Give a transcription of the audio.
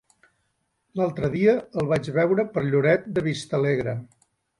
L'altre dia el vaig veure per Lloret de Vistalegre.